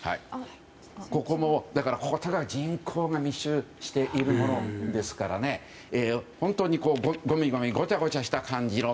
ここも人口が密集しているものですから本当に、ごみごみごちゃごちゃした感じの。